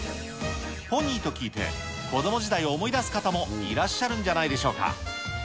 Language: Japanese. ポニーと聞いて、子ども時代を思い出す方もいらっしゃるんじゃないでしょうか。